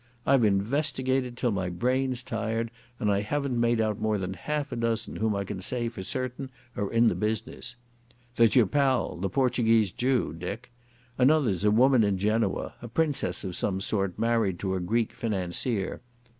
I've investigated till my brain's tired and I haven't made out more than half a dozen whom I can say for certain are in the business. There's your pal, the Portuguese Jew, Dick. Another's a woman in Genoa, a princess of some sort married to a Greek financier.